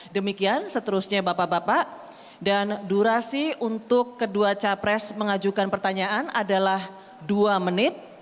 demikian seterusnya bapak bapak dan durasi untuk kedua capres mengajukan pertanyaan adalah dua menit